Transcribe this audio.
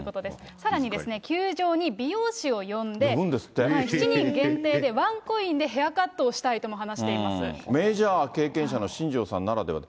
さらに、球場に美容師を呼んで７人限定でワンコインでヘアカットをしたいメジャー経験者新庄さんならではで。